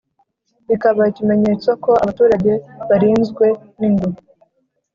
ikaba ikimenyetso ko abaturage barinzwe n'ingwe